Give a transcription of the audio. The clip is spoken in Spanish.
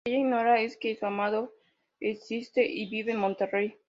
Lo que ella ignora es que su amado existe, y vive en Monterrey.